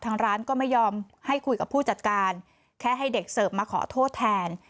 ทางร้านก็ไม่ยอมให้คุยกับผู้จัดการแค่ให้เด็กเสิร์ฟมาขอโทษแทน